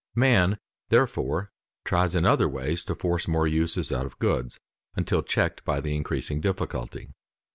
Man therefore tries in other ways to force more uses out of goods, until checked by the increasing difficulty.